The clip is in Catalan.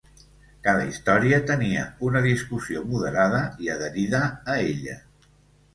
Cada història tenia una discussió moderada i adherida a ella.